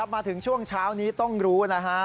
มาถึงช่วงเช้านี้ต้องรู้นะฮะ